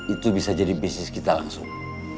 itu bisa jadi bisnis kita langsung